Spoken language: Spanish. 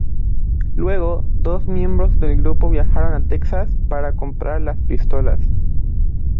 Luego, dos miembros del grupo viajaron a Texas para comprar las pistolas.